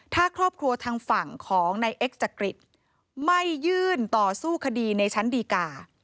ถ้าครอบครัวทางฝั่งของนายเอ็กจักริตไม่ยื่นต่อสู้คดีในชั้นดีกา